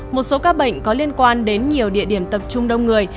một số ca bệnh có liên quan đến nhiều địa điểm tập trung đông người